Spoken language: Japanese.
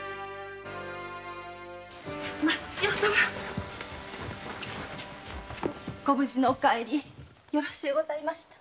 松千代様ご無事のお帰りよろしゅうございました。